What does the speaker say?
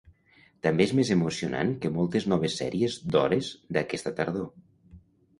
També és més emocionant que moltes noves sèries d'hores d'aquesta tardor.